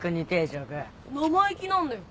生意気なんだよ